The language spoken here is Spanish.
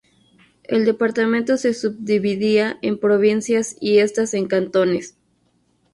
El departamento se subdividía en provincias y estas en cantones.